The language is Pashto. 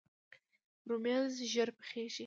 رومیان ژر پخیږي